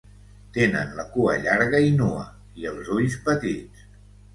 Tenen la cua llarga i nua i els ulls petits.